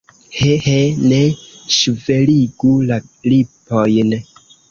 He, he, ne ŝveligu la lipojn!